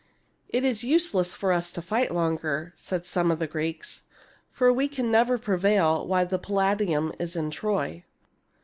" It is useless for us to fight longer," said some of the Greeks; "for we can never prevail while the Palladium is in Troy."